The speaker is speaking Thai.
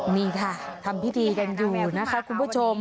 นี่ค่ะทำพิธีกันอยู่นะคะคุณผู้ชม